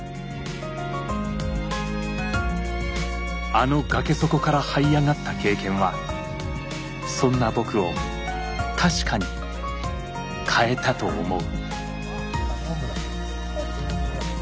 あの崖底からはい上がった経験はそんな僕を確かに変えたと思う。